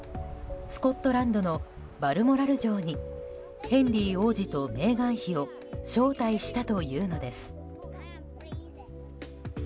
スコットランドのバルモラル城にヘンリー王子とメーガン妃を招待したというのです。